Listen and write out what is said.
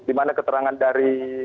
di mana keterangan dari